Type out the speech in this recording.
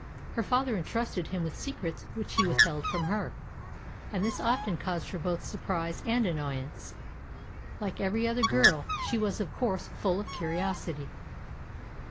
Her father entrusted him with secrets which he withheld from her, and this often caused her both surprise and annoyance. Like every other girl, she was of course full of curiosity.